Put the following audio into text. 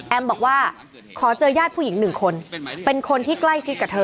บอกว่าขอเจอญาติผู้หญิงหนึ่งคนเป็นคนที่ใกล้ชิดกับเธอ